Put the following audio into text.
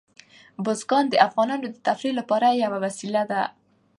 بزګان د افغانانو د تفریح لپاره یوه وسیله ده.